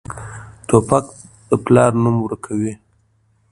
توپک د پلار نوم ورکوي.